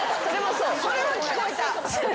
それは聞こえた。